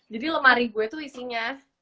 jadi lemari gue tuh isinya